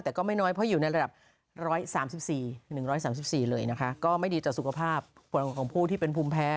แต่ก็ไม่น้อยเพราะอยู่ในระดับ๑๓๔๑๓๔เลยนะคะก็ไม่ดีต่อสุขภาพผลของผู้ที่เป็นภูมิแพ้